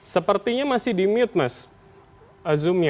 sepertinya masih di mute mas zoom nya